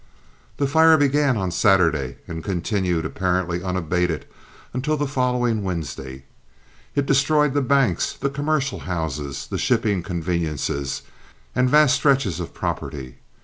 The fire began on Saturday and continued apparently unabated until the following Wednesday. It destroyed the banks, the commercial houses, the shipping conveniences, and vast stretches of property.